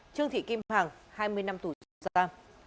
trương thị kim hằng hai mươi năm tù giáo